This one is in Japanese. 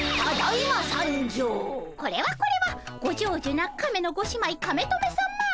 これはこれはご長寿な亀のご姉妹カメトメさま。